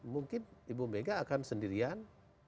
mungkin ibu mega akan sendirian